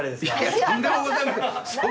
とんでもございません！